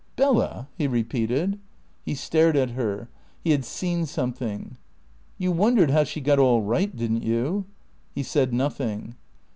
"Bella?" he repeated. He stared at her. He had seen something. "You wondered how she got all right, didn't you?" He said nothing.